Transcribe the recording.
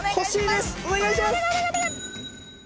お願いします！